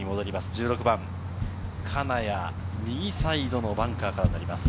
１６番、金谷は右サイドのバンカーからになります。